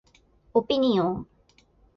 オピニオン